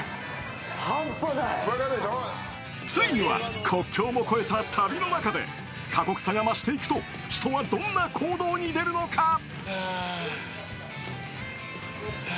ついには国境も越えた旅の中で過酷さが増していくと人はどんな行動に出るのか。